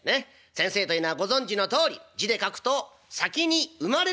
先生というのはご存じのとおり字で書くと「先に生まれる」と書きます。